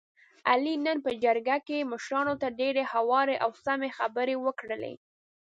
علي نن په جرګه کې مشرانو ته ډېرې هوارې او سمې خبرې وکړلې.